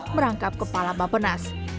merangkap kepala bapenas